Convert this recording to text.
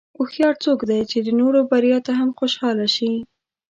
هوښیار څوک دی چې د نورو بریا ته هم خوشاله شي.